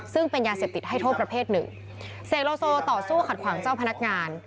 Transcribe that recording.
ซึ่งเป็นยาเสพติดให้โทษประเภทหนึ่งเสกโลโซต่อสู้ขัดขวางเจ้าพนักงาน